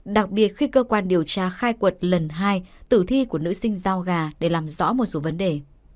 đặc biệt khi cơ quan điều tra khai quật lần hai tử thi của nữ sinh giao gà để làm rõ một số vấn đề